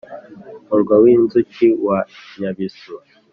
murwa w’inzuki wa nyabisu,